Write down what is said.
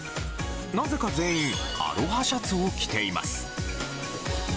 なぜか全員アロハシャツを着ています。